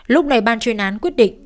lúc này ban chuyên án quyết định